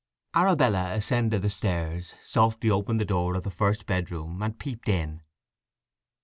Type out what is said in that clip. Arabella ascended the stairs, softly opened the door of the first bedroom, and peeped in.